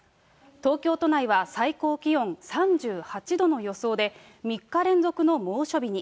東京都内は最高気温３８度の予想で、３日連続の猛暑日に。